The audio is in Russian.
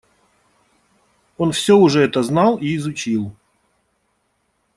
Он всё уже это знал и изучил.